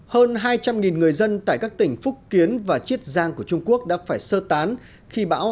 hơn hai trăm linh người dân tại các tỉnh phúc kiến và chiết giang của trung quốc đã phải sơ tán khi bão